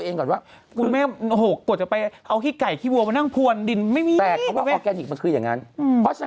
นี่ขนาดไม่ใช่คนรวยนะเขายังทำได้ขนาดนี้